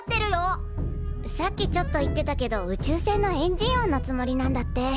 さっきちょっと言ってたけど宇宙船のエンジン音のつもりなんだって。